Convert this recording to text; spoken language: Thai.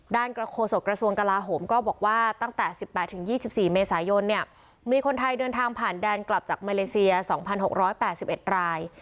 กระโฆษกระทรวงกลาโหมก็บอกว่าตั้งแต่๑๘๒๔เมษายนเนี่ยมีคนไทยเดินทางผ่านแดนกลับจากมาเลเซีย๒๖๘๑ราย